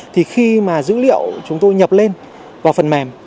thì khi mà dữ liệu chúng tôi nhập lên vào phần mềm